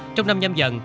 trong năm nhâm dần